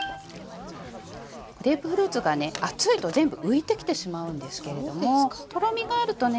グレープフルーツがね熱いと全部浮いてきてしまうんですけれどもとろみがあるとね